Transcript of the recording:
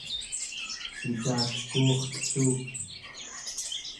pitateku'urtelluki